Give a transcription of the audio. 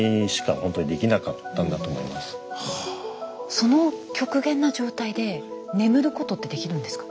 その極限な状態で眠ることってできるんですか？